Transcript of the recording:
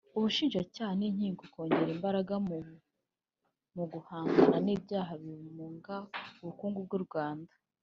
ubushinjacyaha n’inkiko kongera imbaraga mu guhangana n’ibyaha bimunga ubukungu bw’u Rwanda